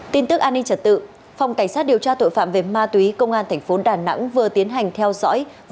tin tức an ninh trật tự phòng cảnh sát điều tra tội phạm về ma túy công an tp đà nẵng vừa tiến hành theo dõi